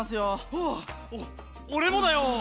はあっおれもだよ！